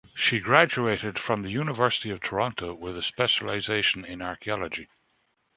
She graduated from The University of Toronto with a specialization in Archaeology.